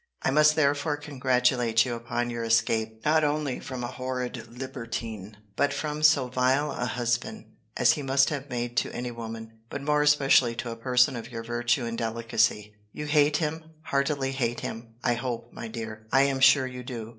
I must therefore congratulate you upon your escape, not only from a horrid libertine, but from so vile a husband, as he must have made to any woman; but more especially to a person of your virtue and delicacy. You hate him, heartily hate him, I hope, my dear—I am sure you do.